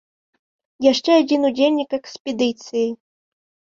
Яшчэ адзін удзельнік экспедыцыі.